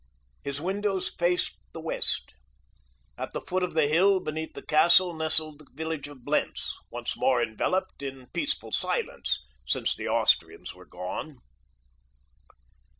His windows faced the west. At the foot of the hill beneath the castle nestled the village of Blentz, once more enveloped in peaceful silence since the Austrians were gone.